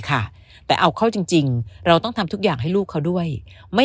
ค่ะแต่เอาเข้าจริงจริงเราต้องทำทุกอย่างให้ลูกเขาด้วยไม่